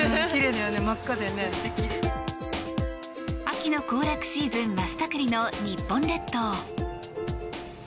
秋の行楽シーズン真っ盛りの日本列島。